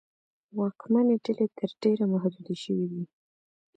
واکمنې ډلې تر ډېره محدودې شوې وې.